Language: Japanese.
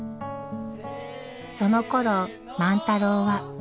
そのころ万太郎は。